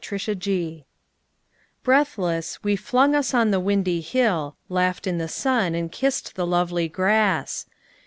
The Hill Breathless, we flung us on the windy hill, Laughed in the sun, and kissed the lovely grass.